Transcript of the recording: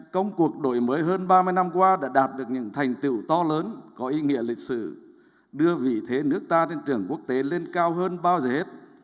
công cuộc đổi mới hơn ba mươi năm qua đã đạt được những thành tựu to lớn có ý nghĩa lịch sử đưa vị thế nước ta trên trường quốc tế lên cao hơn bao giờ hết